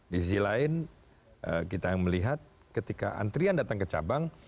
di sisi lain kita yang melihat ketika antrian datang ke cabang